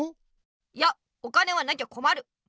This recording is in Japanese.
いやお金はなきゃこまる！